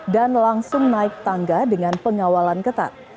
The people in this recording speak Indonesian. dan langsung naik tangga dengan pengawalan ketat